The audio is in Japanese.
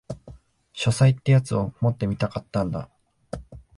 書斎ってやつを持ってみたかったんだ